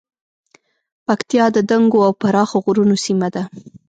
پکتیا د دنګو او پراخو غرونو سیمه ده